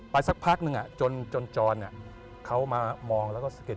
สักพักนึงจนจรเขามามองแล้วก็สะเก็ด